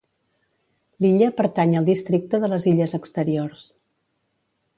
L'illa pertany al Districte de les Illes Exteriors.